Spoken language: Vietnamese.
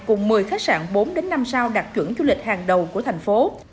cùng một mươi khách sạn bốn năm sao đạt chuẩn du lịch hàng đầu của thành phố